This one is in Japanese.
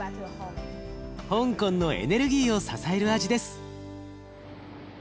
香港のエネルギーを支える味です。